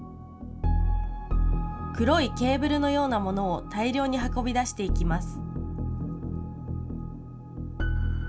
黒いケーブルのようなものを大量に運び出していきます。